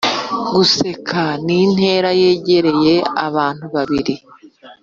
guseka nintera yegereye abantu babiri